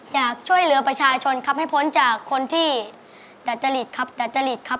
อยากช่วยเหลือประชาชนครับให้พ้นจากคนที่ดัดจริตครับดัจจริตครับ